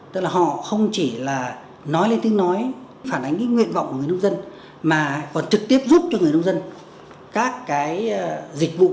tức là họ không chỉ nói lên tiếng nói phản ánh nguyện vọng của người nông dân mà còn trực tiếp giúp cho người nông dân các dịch vụ